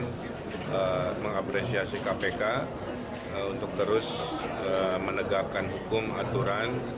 saya ingin mengapresiasi kpk untuk terus menegakkan hukum aturan